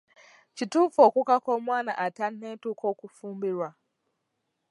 Kituufu okukaka omwana atanneetuuka okufumbirwa?